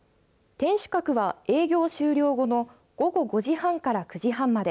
天守閣は、営業終了後の午後５時半から９時半まで。